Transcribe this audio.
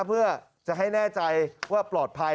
เพื่อจะให้แน่ใจว่าปลอดภัย